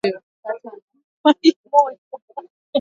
Mambo yanayopelekea ugonjwa wa majimoyo kutokea